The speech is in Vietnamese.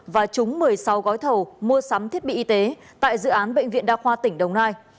và trúng một mươi sáu gói thầu mua sắm thiết bị y tế tại dự án bệnh viện đa khoa tỉnh đồng nai